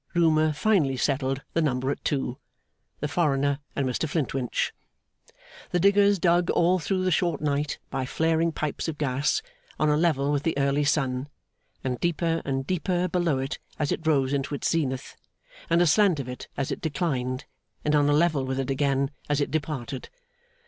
Rumour finally settled the number at two; the foreigner and Mr Flintwinch. The diggers dug all through the short night by flaring pipes of gas, and on a level with the early sun, and deeper and deeper below it as it rose into its zenith, and aslant of it as it declined, and on a level with it again as it departed.